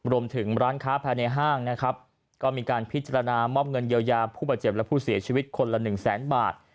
รวมถึงร้านค้าภายในห้างนะครับก็มีการพิจารณามอบเงินเยียวยาผู้บาดเจ็บและผู้เสียชีวิตคนละหนึ่งแสนบาท